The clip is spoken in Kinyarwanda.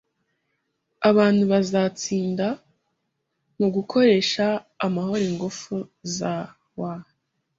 Abantu bazatsinda mugukoresha amahoro ingufu za ae.